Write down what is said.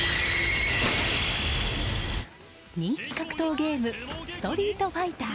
人気格闘ゲーム「ストリートファイター」。